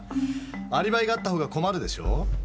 アリバイがあったほうが困るでしょう？